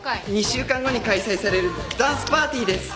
２週間後に開催されるダンスパーティーです。